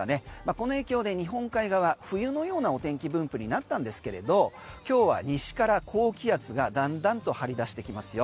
この影響で日本海側は冬のようなお天気分布になったんですけれど今日は西から高気圧がだんだんと張り出してきますよ。